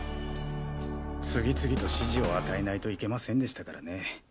次々と指示を与えないといけませんでしたからね。